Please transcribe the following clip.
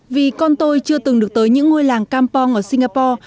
vì con tôi chưa từng được tới những ngôi làng kampong ở singapore